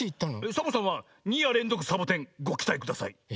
サボさんは「２やれんぞくサボテンごきたいください」。